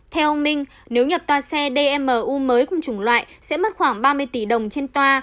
theo ông minh nếu nhập toa xe dmu mới cùng chủng loại sẽ mất khoảng ba mươi tỷ đồng trên toa